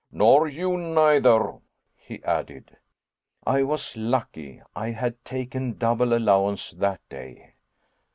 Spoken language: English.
"Nor you neither," he added. It was lucky I had taken double allowance that day.